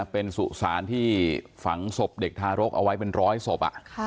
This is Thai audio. เป็นสุสานที่ฝังศพเด็กทารกเอาไว้เป็นร้อยศพ